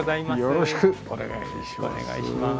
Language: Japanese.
よろしくお願いします。